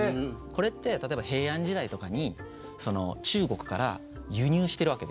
これって例えば平安時代とかに中国から輸入してるわけですよね。